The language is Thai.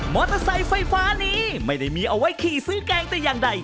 เตอร์ไซค์ไฟฟ้านี้ไม่ได้มีเอาไว้ขี่ซื้อแกงแต่อย่างใด